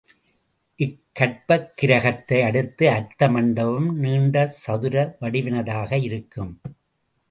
இக்கர்ப்பக் கிருகத்தை அடுத்த அர்த்த மண்டபம் நீண்ட சதுர வடிவினதாக இருக்கும்.